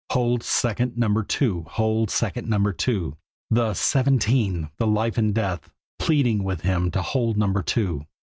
"Hold second Number Two. Hold second Number Two" the "seventeen," the life and death, pleading with him to hold Number Two.